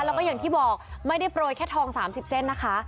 แล้วก็อย่างที่บอกไม่ได้โปรยแค่ทอง๓๐เส้นนะคะ